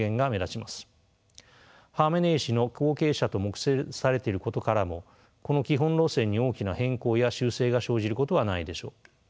ハーメネイ師の後継者と目されていることからもこの基本路線に大きな変更や修正が生じることはないでしょう。